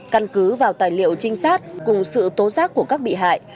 căn cứ vào tài liệu trinh sát cùng sự tố giác của các bị hại